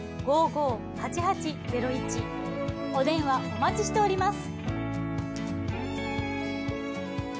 お電話お待ちしております。